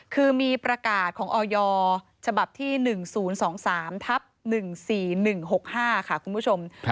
คือมีประกาศของออยฉบับที่๑๐๒๓ทับ๑๔๑๖๕ค่ะคุณผู้ชม